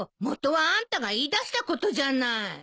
もとはあんたが言いだしたことじゃない。